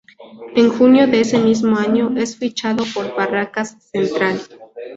En junio de ese mismo año, es fichado por Barracas Central.